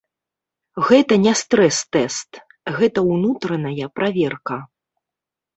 Гэта не стрэс-тэст, гэта ўнутраная праверка.